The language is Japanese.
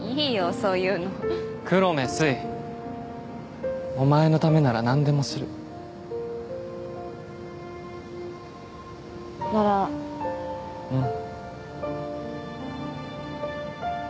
そういうの黒目すいお前のためならなんでもするならうん